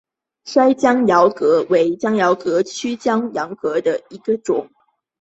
蓑江珧蛤为江珧蛤科曲江珧蛤属下的一个种。